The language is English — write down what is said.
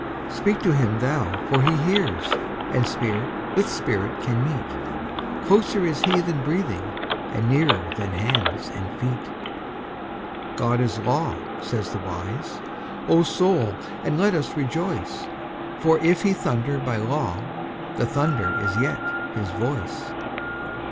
Speak to Him thou for He hears, and Spirit with Spirit can meet—Closer is He than breathing, and nearer than hands and feet. God is law, say the wise; O Soul, and let us rejoice, For if He thunder by law the thunder is yet His voice.